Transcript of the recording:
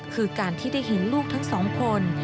คือการที่ได้เห็นลูกทั้งสองคน